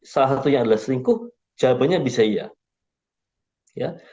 salah satunya adalah selingkuh jawabannya bisa iya